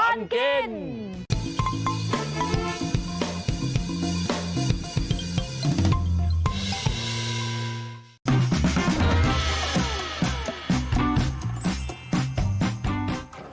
หมูปิ้งเถอะ